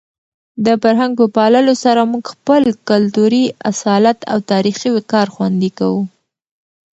د فرهنګ په پاللو سره موږ خپل کلتوري اصالت او تاریخي وقار خوندي کوو.